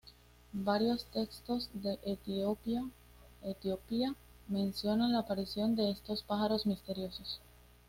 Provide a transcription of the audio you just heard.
Varios textos de Etiopía mencionan la aparición de estos pájaros misteriosos.